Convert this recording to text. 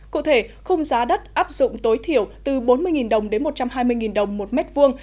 cụ thể khung giá đất áp dụng tối thiểu từ bốn mươi đồng đến một trăm hai mươi đồng một mét vuông